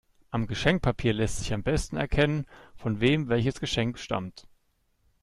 Am Geschenkpapier lässt sich am besten erkennen, von wem welches Geschenk stammt.